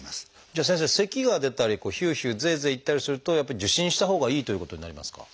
じゃあ先生せきが出たりヒューヒューゼーゼーいったりするとやっぱり受診したほうがいいということになりますか？